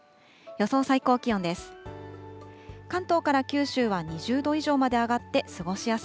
予想最高気温です。